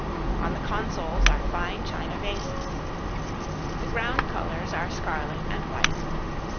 On the consoles are fine china vases. The ground colors are scarlet and white.